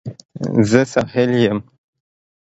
زه ساحل یم